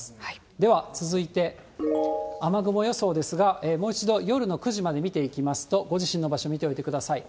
では続いて、雨雲予想ですが、もう一度夜の９時まで見ていきますと、ご自身の場所、見ておいてください。